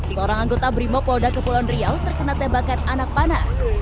seorang anggota brimopolda kepulauan riau terkena tembakan anak panah